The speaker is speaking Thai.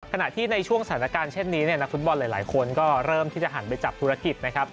ขณะที่ในช่วงสถานการณ์เช่นนี้นักฟุตบอลหลายคนก็เริ่มทิศหันต์ไปจับธุรกิจ